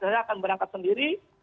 saya akan berangkat sendiri